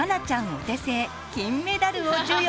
お手製金メダルを授与。